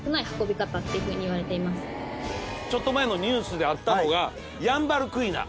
ちょっと前のニュースであったのがヤンバルクイナ。